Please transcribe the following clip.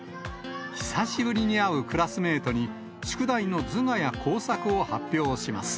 久しぶりに会うクラスメートに、宿題の図画や工作を発表します。